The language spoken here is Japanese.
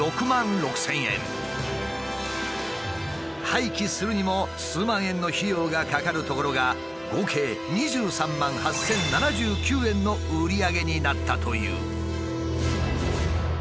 廃棄するにも数万円の費用がかかるところが合計２３万８，０７９円の売り上げになったという。